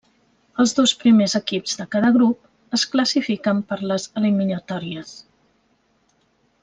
Els dos primers equips de cada grup es classifiquen per les eliminatòries.